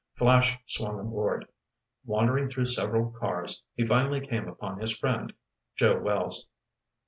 Flash swung aboard. Wandering through several cars, he finally came upon his friend, Joe Wells.